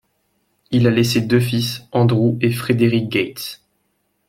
Il a laissé deux fils, Andrew et Frederick Gates.